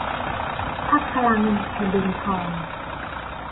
พรรคพลังแผ่นดินทอง